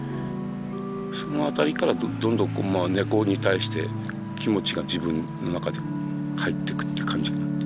その辺りからどんどん猫に対して気持ちが自分の中にかえってくって感じになって。